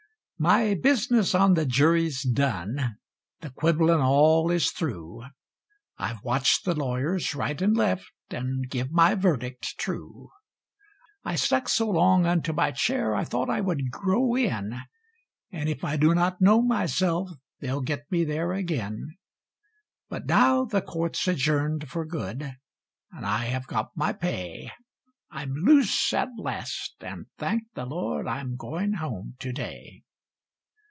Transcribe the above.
My business on the jury's done the quibblin' all is through I've watched the lawyers right and left, and give my verdict true; I stuck so long unto my chair, I thought I would grow in; And if I do not know myself, they'll get me there ag'in; But now the court's adjourned for good, and I have got my pay; I'm loose at last, and thank the Lord, I'm going home to day.